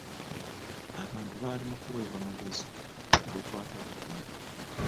Abantu bali mu kuweebwa magezi ku bikwata ku bulwadde.